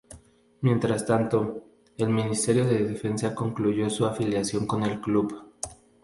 Mientras tanto, el Ministerio de Defensa concluyó su afiliación con el club.